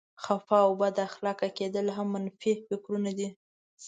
خفه او بد اخلاقه کېدل هم منفي فکرونه دي.